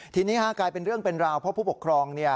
ทีนี้กลายเป็นเรื่องเป็นราวเพราะผู้ปกครอง